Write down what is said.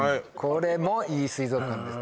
これもいい水族館です